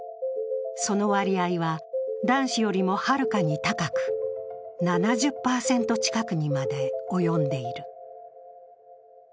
その割合は、男子よりもはるかに高く、７０％近くにまで及んでいる。